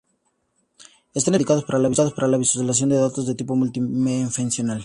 Están especialmente indicados para la visualización de datos de tipo multidimensional.